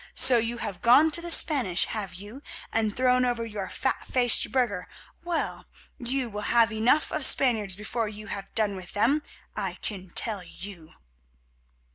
So you have gone to the Spanish, have you, and thrown over your fat faced burgher; well, you will have enough of Spaniards before you have done with them, I can tell you."